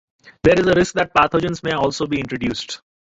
There is a risk that pathogens also may be introduced.